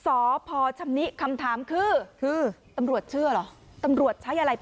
สองสามีภรรยาคู่นี้มีอาชีพ